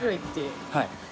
はい。